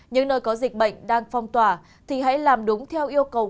những nơi có dịch bệnh đang phong tỏa thì hãy làm đúng theo yêu cầu